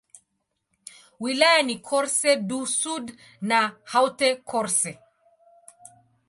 Wilaya ni Corse-du-Sud na Haute-Corse.